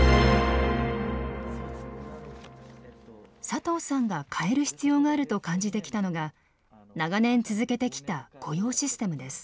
佐藤さんが変える必要があると感じてきたのが長年続けてきた雇用システムです。